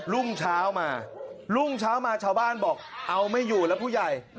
รุ่งเช้ามารุ่งเช้ามาชาวบ้านบอกเอาไม่อยู่แล้วผู้ใหญ่